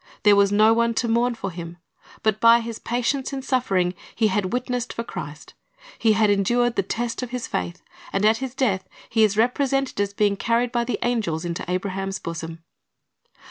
There was no one to mourn for him; but by his patience in suffering he had witnessed for Christ, he had endured the test of his faith, and at his death he is represented as being carried by the angels into Abraham's bosom.